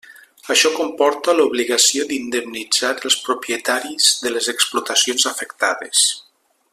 Això comporta l'obligació d'indemnitzar els propietaris de les explotacions afectades.